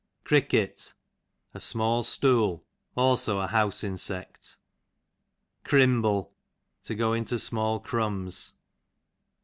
Cricket, a small stool; also a house insect. Crimble, to go into small crumbs.